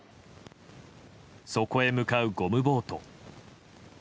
そこへ向かうゴムボート。